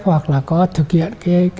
hoặc là có thực hiện